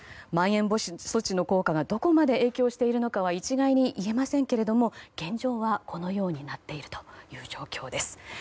まん延防止措置の効果がどこまで影響しているのかは一概にいえませんけれども現状はこのようになっている状況です。